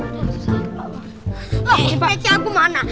loh pecah aku mana